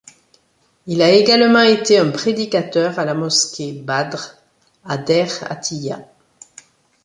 Il a également été un prédicateur à la mosquée Badr à Dair Atiyah.